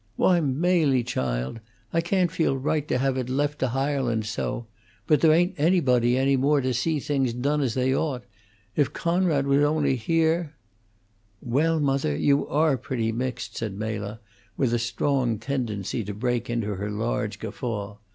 "Why, Mely, child! I can't feel right to have it left to hirelin's so. But there ain't anybody any more to see things done as they ought. If Coonrod was on'y here " "Well, mother, you are pretty mixed!" said Mela, with a strong tendency to break into her large guffaw.